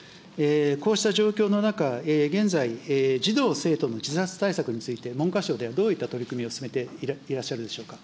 こうした状況の中、現在、児童・生徒の自殺対策について、文科省ではどういった取り組みを進めていらっしゃるでしょうか。